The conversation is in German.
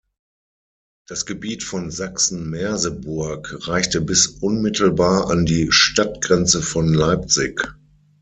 Das Gebiet von Sachsen-Merseburg reichte bis unmittelbar an die Stadtgrenze von Leipzig.